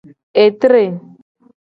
Etre.